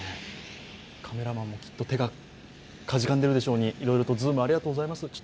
カメラマンもきっと手がかじかんでるでしょうに、いろいろとズーム、ありがとうございます。